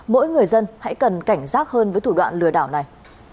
mỗi người dân hãy cần cảnh giác hơn với thủ đoạn lừa đảo này